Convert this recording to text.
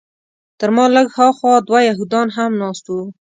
تر ما لږ هاخوا دوه یهودان هم ناست وو.